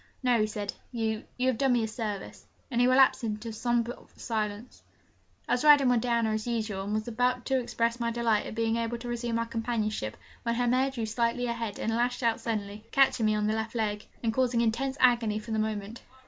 'No,' he said, 'you you have done me a service,' and he relapsed into a sombre silence. I was riding with Diana as usual, and was about to express my delight at being able to resume our companionship, when her mare drew slightly ahead and lashed out suddenly, catching me on the left leg, and causing intense agony for the moment.